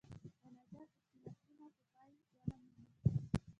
د نظر اختلافونه به پای ونه مومي.